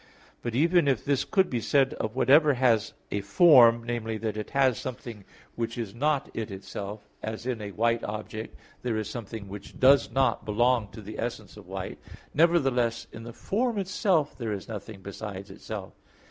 But, even if this could be said of whatever has a form, viz. that it has something which is not it itself, as in a white object there is something which does not belong to the essence of white; nevertheless in the form itself, there is nothing besides itself.